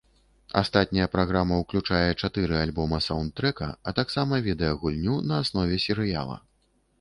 Астатняя праграма ўключае чатыры альбома-саўндтрэка, а таксама відэагульню на аснове серыяла.